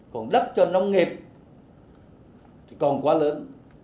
còn đất cho nông nghiệp còn quá lớn